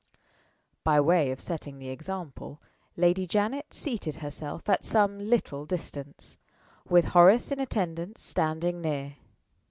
By way of setting the example, Lady Janet seated herself at some little distance, with Horace in attendance standing near.